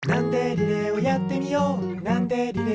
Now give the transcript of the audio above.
リレーをやってみよう」